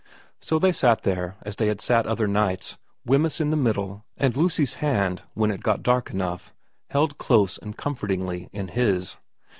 So they sat there as they had sat other nights, Wemyss in the middle, and Lucy's hand, when it got dark enough, held close and comfortingly in his.